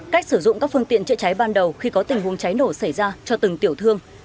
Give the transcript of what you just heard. cách sử dụng các phương tiện chữa cháy ban đầu khi có tình huống cháy nổ xảy ra cho từng tiểu thương